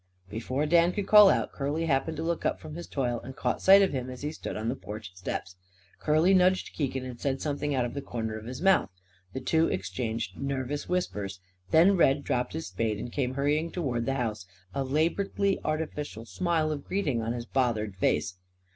Before Dan could call out, Curly happened to look up from his toil; and caught sight of him as he stood on the porch steps. Curly nudged Keegan and said something out of the corner of his mouth. The two exchanged nervous whispers; then Red dropped his spade and came hurrying towards the house, a labouredly artificial smile of greeting on his bothered face.